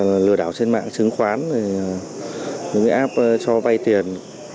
là lừa đảo trên mạng chứng khoán những cái app cho vay tiền